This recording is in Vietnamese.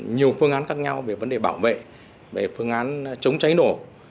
nhiều phương án khác nhau về vấn đề bảo vệ về phương án chống cháy nổ